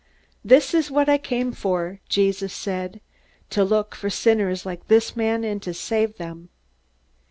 "This is what I came for," Jesus said, "to look for sinners like this man and to save them."